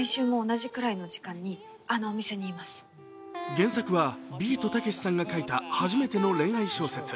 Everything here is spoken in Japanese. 原作はビートたけしさんが書いた初めての恋愛小説。